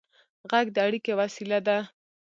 غږ د اړیکې وسیله ده.